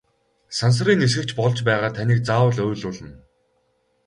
Сансрын нисэгч болж байгаад таныг заавал уйлуулна!